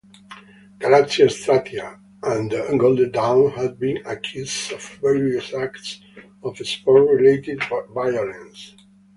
"Galazia Stratia" and Golden Dawn have been accused of various acts of sports-related violence.